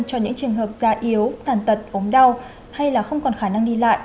cho những trường hợp da yếu tàn tật ốm đau hay là không còn khả năng đi lại